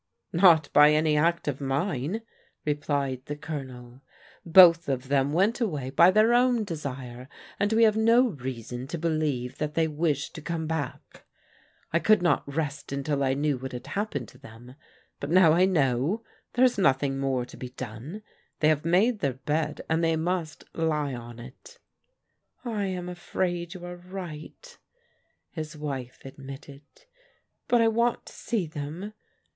" Not by any act of mine," replied the Colonel. " Both of them went away by their own desire, and we have no reason to believe that they wish to come back. I could not rest until I knew what had happened to them, but now I know, there is nothing more to be done. They have made their bed, and they must lie on it." " I am afraid you are right," his wife admitted, " but I want to see them.